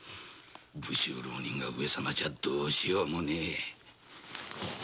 武州浪人が上様じゃどうしようもねぇ！